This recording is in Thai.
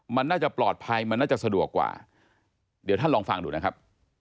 มันน่าจะปลอดภัยมันน่าจะสะดวกกว่าเดี๋ยวท่านลองฟังดูนะครับ